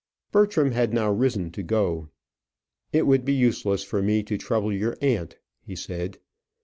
Bertram had now risen to go. "It would be useless for me to trouble your aunt," he said.